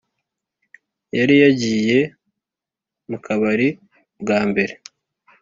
yari yagiye mukabari bwambere